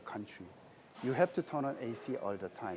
kita harus menggunakan ac selama lamanya